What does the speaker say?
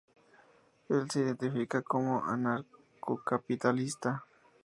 Él se identifica como anarcocapitalista.